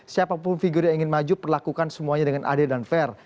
siapapun figur yang ingin maju perlakukan semuanya dengan adil dan fair